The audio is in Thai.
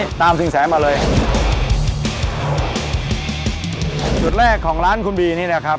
อยากขายดีมากกว่านี้ไหม